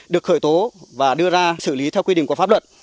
được khởi tố và đưa ra xử lý theo quy định của pháp luật